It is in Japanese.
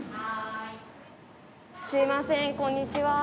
すいませんこんにちは。